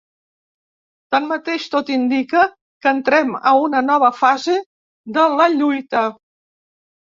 Tanmateix tot indica que entrem a una nova fase de la lluita.